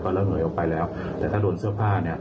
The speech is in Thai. ก็ระเหงออกไปแล้วแต่ถ้าโดนเสื้อผ้า